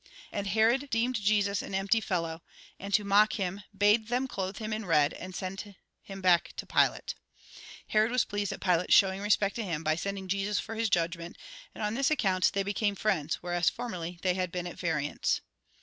And Herod deemed Jesus an empty fellow, and to mock him, bade them clothe him in red, and send him back to Pilate. Herod was pleased at Pilate's showing respect to him, by sending Jesus for his judgment, and on this account they became friends, whereas formerly they Iiad been at variance.